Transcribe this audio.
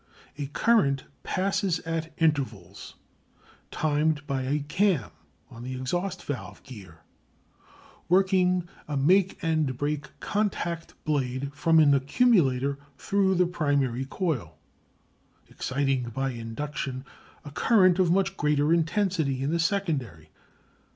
A current passes at intervals, timed by a cam on the exhaust valve gear working a make and break contact blade, from an accumulator through the primary coil, exciting by induction a current of much greater intensity in the secondary.